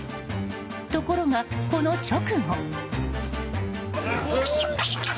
ところが、この直後。